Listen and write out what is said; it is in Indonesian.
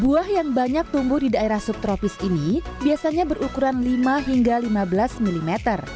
buah yang banyak tumbuh di daerah subtropis ini biasanya berukuran lima hingga lima belas mm